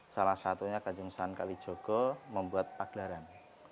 salah satunya kanjeng sunan kalijaga membuat paglaran